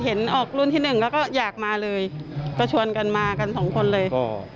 ออกรุ่นที่หนึ่งแล้วก็อยากมาเลยก็ชวนกันมากันสองคนเลย